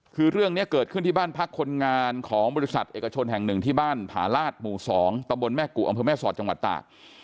คือเรื่องนี้เกิดขึ้นที่บ้านพักคนงานของบริษัทเอกชนแห่งหนึ่งที่บ้านผาลาศหมู่๒ตำบลแม่กุอำเภอแม่สอดจังหวัดตาก